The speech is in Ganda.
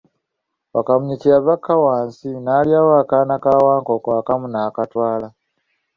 Wakamunye kye yava akka wansi n'ayoolawo akaaana ka Wankoko kamu n'akatwala.